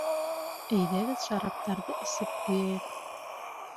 Әйҙәгеҙ шараптарҙы эсеп ҡуяйыҡ.